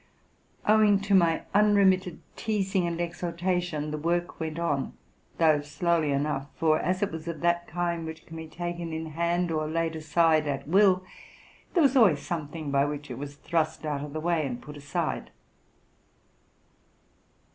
Owing to my unremitted teazing and exhortation, the work went on, though slowly enough ; for, as it was of that kind which can be taken in hand or laid aside at will, there was always something by which it was thrust out of the way, and put aside.